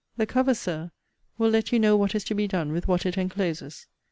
The cover, Sir, will let you know what is to be done with what it encloses.